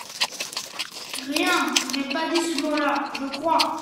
Rien ; je n’ai pas dit ce mot-là, je crois.